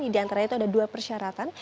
di antara itu ada dua persyaratan